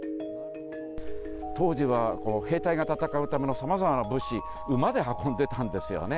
当時は兵隊が戦うためのさまざまな物資、馬で運んでたんですよね。